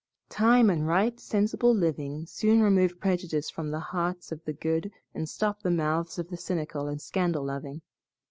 Time and right, sensible living soon remove prejudice from the hearts of the good and stop the mouths of the cynical and scandal loving.